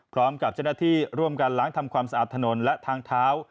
พร้อมกับเจ้าหน้าที่ร่วมการล้างทำความสะอาดถนนและทางเท้า